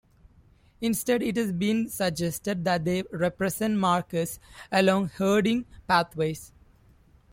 Instead it has been suggested that they represent markers along herding pathways.